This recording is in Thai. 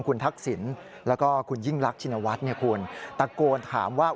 คุณทักษิณแล้วก็คุณยิ่งรักชินวัฒน์เนี่ยคุณตะโกนถามว่า